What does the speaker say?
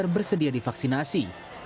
bersedia di vaksinasi